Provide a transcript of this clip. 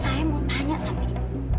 saya mau tanya sama ibu